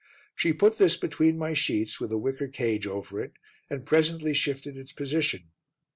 She put this between my sheets with a wicker cage over it, and presently shifted its position.